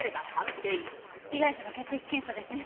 被害者の血液検査ですね。